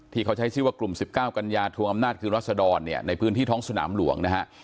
ที่เขาใช้ชื่อว่ากลุ่ม๑๙กัญญาทวงอำนาจคือรัศดรเนี่ยในพื้นที่ท้องสนามหลวงนะฮะ